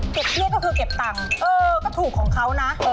เครียดก็คือเก็บตังค์เออก็ถูกของเขานะ